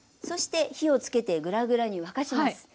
そして火をつけてグラグラに沸かします。